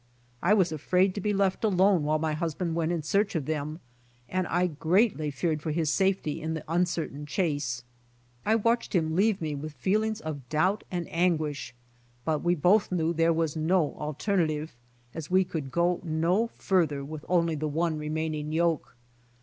I was afraid to be left alone while my husband went in search of them, and I greatly feared for his safety in the uncertain chase. I w^atched him leave me with feelings of doubt and ang uish, but we both knew there was no alterna tive as we could go no farther with only the one remaining yoke.